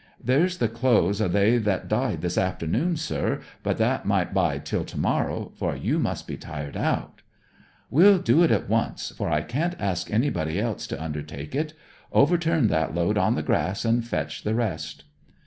'There's the clothes o' they that died this afternoon, sir. But that might bide till to morrow, for you must be tired out.' 'We'll do it at once, for I can't ask anybody else to undertake it. Overturn that load on the grass and fetch the rest.'